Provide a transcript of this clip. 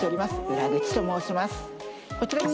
浦口と申します